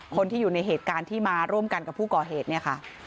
คนที่อยู่ในเหตุการณ์ที่มาร่วมกันกับผู้ก่อเหตุเนี่ยค่ะ